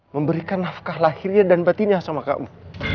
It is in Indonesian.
memberikan nafkah lahirnya dan batinnya sama kamu